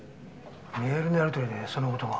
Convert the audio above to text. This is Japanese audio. メールのやりとりでその事が？